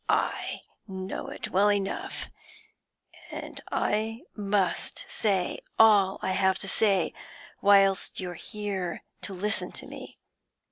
I know it well enough, and I must say all I have to say, whilst you're here to listen to me.